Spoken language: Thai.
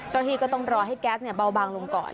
เจ้าหน้าก็ต้องรอให้แก๊สเนี่ยเบาบางลงก่อน